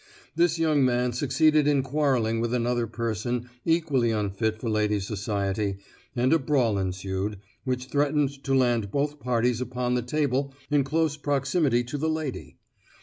This young man succeeded in quarrelling with another person equally unfit for ladies' society, and a brawl ensued, which threatened to land both parties upon the table in close proximity to the lady.